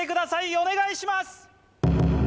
お願いします！